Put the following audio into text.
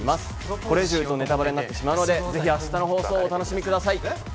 これ以上言うとネタバレになりますので、ぜひ明日の放送をお楽しみください。